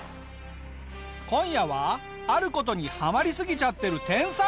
今夜はある事にハマりすぎちゃってる天才！